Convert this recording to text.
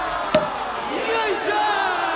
よいしょ！